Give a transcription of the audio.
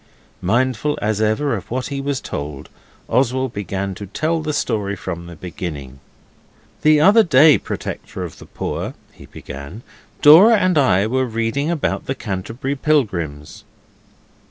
Mindful, as ever, of what he was told, Oswald began to tell the story from the beginning. 'The other day, protector of the poor,' he began; 'Dora and I were reading about the Canterbury pilgrims...